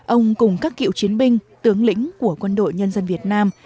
ông cùng các cựu chiến binh tướng lĩnh của quân đội nhân dân việt nam